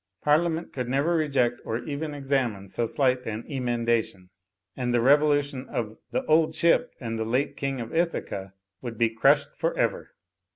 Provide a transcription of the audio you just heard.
Parliament could never reject or even examine so slight an emen dation. And the revolution of "The Old Ship" and the late King of Ithaca would be crushed for ever.